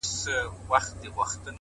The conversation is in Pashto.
اخلاص د بریالۍ اړیکې روح دی؛